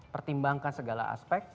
pertimbangkan segala aspek